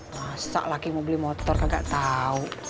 masa laki mau beli motor kagak tau